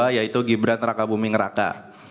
yaitu gibran raka buming raka